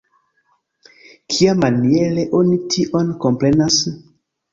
Kiamaniere oni tion komprenas?